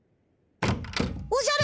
おじゃる！